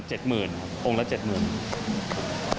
ก็ประมาณ๗๐๐๐๐องค์ละ๗๐๐๐๐องค์